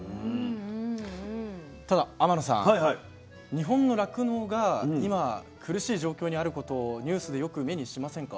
日本の酪農が今苦しい状況にあることをニュースでよく目にしませんか？